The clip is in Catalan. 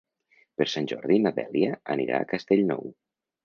Per Sant Jordi na Dèlia anirà a Castellnou.